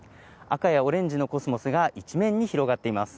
赤やオレンジのコスモスが一面に広がっています。